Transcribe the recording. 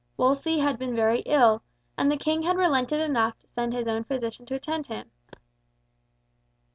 Wolsey had been very ill, and the King had relented enough to send his own physician to attend him.